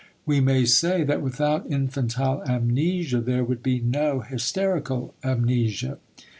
We may say that without infantile amnesia there would be no hysterical amnesia.